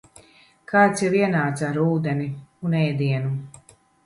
Kāds jau ienāca ar ūdeni un ēdienu.